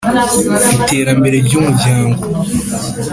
iterambere ry’umuryango